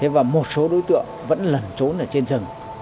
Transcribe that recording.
và một số đối tượng vẫn lẩn trốn ở trên rừng